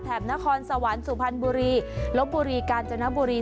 นครสวรรค์สุพรรณบุรีลบบุรีกาญจนบุรี